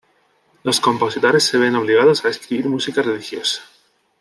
Los compositores se ven obligados a escribir música religiosa.